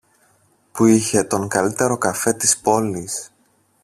που είχε τον καλύτερο καφέ της πόλης